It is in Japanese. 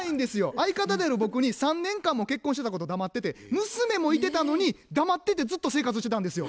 相方である僕に３年間も結婚してたこと黙ってて娘もいてたのに黙っててずっと生活してたんですよ。